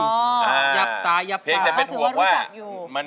อ๋อยับตายพอถือว่ารู้จักอยู่เพลงจะเป็นหวงว่า